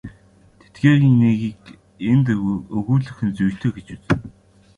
Тэдгээрийн нэгийг энд өгүүлэх нь зүйтэй гэж үзнэ.